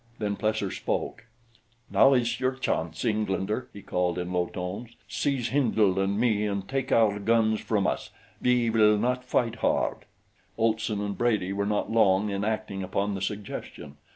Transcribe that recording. Then Plesser spoke. "Now is your chance, Englander," he called in low tones. "Seize Hindle and me and take our guns from us we will not fight hard." Olson and Brady were not long in acting upon the suggestion.